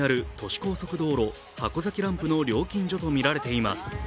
高速道路箱崎ランプの料金所とみられています。